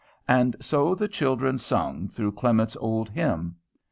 And so the children sung through Clement's old hymn.